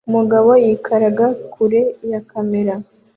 Umugabo yikaraga kure ya kamera